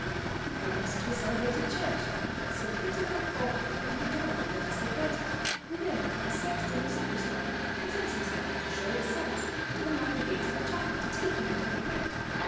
He comes to a celebrated ciiurah; some pitiful pauper opens the do'or or lifts the curtain; within, a sexton or sacristan presents himself to show its sights, to un lock .the gates of a chapel, to take him into the crypt.